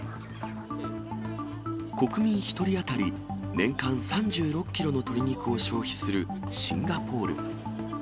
国民１人当たり年間３６キロの鶏肉を消費するシンガポール。